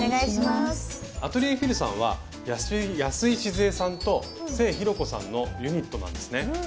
アトリエＦｉｌさんは安井しづえさんと清弘子さんのユニットなんですね。